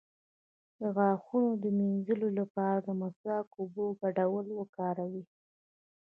د غاښونو د مینځلو لپاره د مسواک او اوبو ګډول وکاروئ